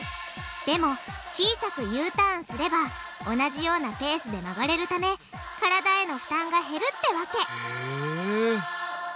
でも小さくＵターンすれば同じようなペースで曲がれるため体への負担が減るってわけへぇ。